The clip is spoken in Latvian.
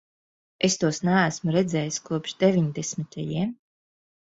Es tos neesmu redzējis kopš deviņdesmitajiem.